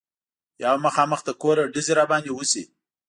یا هم مخامخ له کوره ډزې را باندې وشي.